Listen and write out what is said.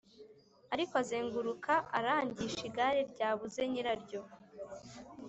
ariho azenguruka arangisha igare ryabuze nyiraryo